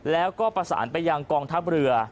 แล้วก็ประสานไปยังกองทัพเรือ